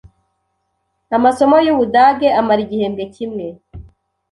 Amasomo yubudage amara igihembwe kimwe.